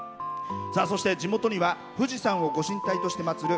そして、地元には富士山をご神体として祭る